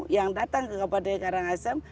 yang datang ke kabupaten karangasem